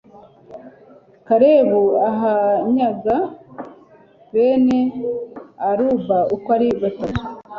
kalebu ahanyaga bene aruba uko ari batatu